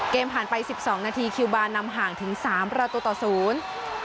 เกมผ่านไป๑๒นาทีคิวบาร์นำห่างถึง๓ประตูต่อศูนย์